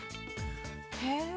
へえ。